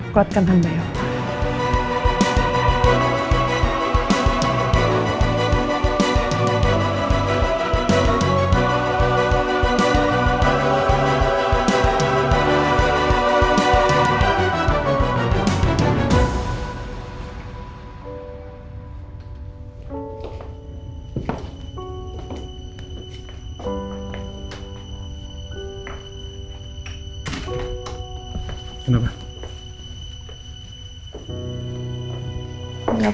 kuatkan handa ya allah